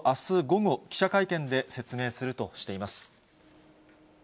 午後、記者会見で説明するとしています。